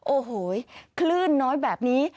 โอ้โหคลื่นน้อยแบบนี้